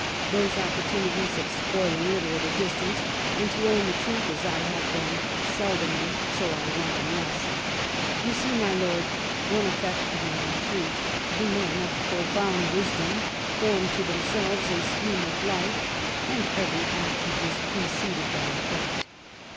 Those opportunities of spoiling it are at a distance; and to own the truth, as I have them seldomer so I want them less. You see. My Lord, one effect of my retreat. The men of profound wis dom form to themselves a scheme of life; and every action is preceded by a thought.